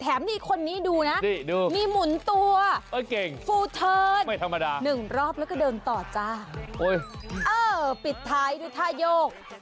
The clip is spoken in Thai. แถมที่คนนี้ดูนะมีหมุนตัวฟูเทิร์ด๑รอบแล้วก็เดินต่อจ้าปิดท้ายดูท่ายก